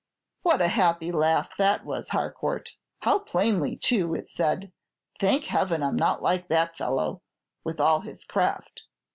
"What a happy laugh that was, Harcourt! How plainly, too, it said, 'Thank Heaven I 'm not like that fellow, with all his craft!'